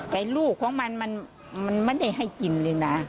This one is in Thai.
แต่ลูกของมันมันไม่ได้ให้กินเลยนะ